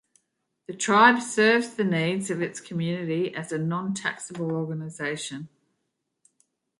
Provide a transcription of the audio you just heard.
The tribe serves the needs of its community as a nontaxable organization.